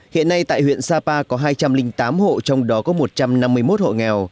hiện nay tại huyện sapa có hai trăm linh tám hộ trong đó có một trăm năm mươi một hộ nghèo